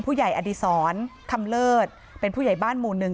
อดีตอดีศรคำเลิศเป็นผู้ใหญ่บ้านหมู่หนึ่ง